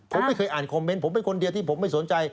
ผมไม่เคยอ่านคอมเมนต์ผมเป็นคนเดียวที่ผมไม่สนใจ